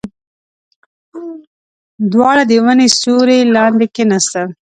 دواړه د ونې سيوري ته کېناستل.